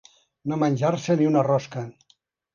No menjar-se ni una rosca.